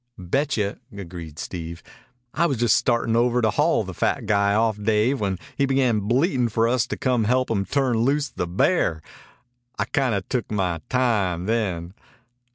"Betcha," agreed Steve. "I was just startin' over to haul the fat guy off Dave when he began bleatin' for us to come help him turn loose the bear. I kinda took my time then."